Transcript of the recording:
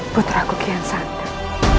puteraku kian santai